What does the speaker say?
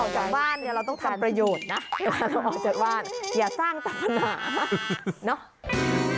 ออกจากบ้านเนี่ยเราต้องทำประโยชน์นะออกจากบ้านอย่าสร้างตัวหนาเนาะ